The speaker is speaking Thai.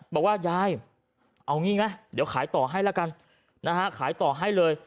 บอกว่ายายเอางี้ไงเดี๋ยวขายต่อให้แล้วกันนะฮะขายต่อให้เลย